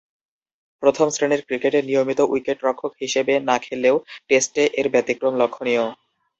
প্রথম-শ্রেণীর ক্রিকেটে নিয়মিত উইকেট-রক্ষক হিসেবে না খেললেও টেস্টে এর ব্যতিক্রম লক্ষ্যণীয়।